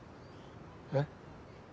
えっ？